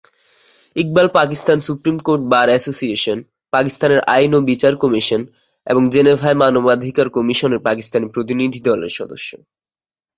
Iqbal Pakistan supreme court bar association, পাকিস্তানের আইন ও বিচার কমিশন, এবং জেনেভায় মানবাধিকার কমিশনের পাকিস্তানি প্রতিনিধিদলের সদস্য।